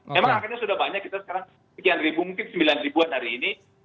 memang akhirnya sudah banyak kita sekarang sekian ribu mungkin sembilan ribuan hari ini